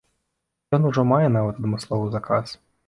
Ён ужо мае нават адмысловы заказ!